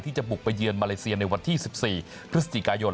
จะบุกไปเยือนมาเลเซียในวันที่๑๔พฤศจิกายน